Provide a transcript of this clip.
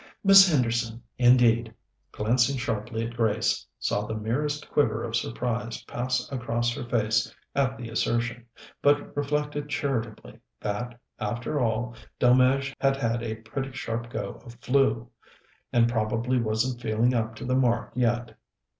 Miss Henderson, indeed, glancing sharply at Grace, saw the merest quiver of surprise pass across her face at the assertion; but reflected charitably that, after all, Delmege had had a pretty sharp go of flu, and probably wasn't feeling up to the mark yet.